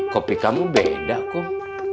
kopi kamu beda kok